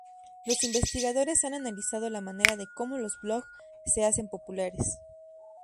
Los investigadores han analizado la manera de cómo los blogs se hacen populares.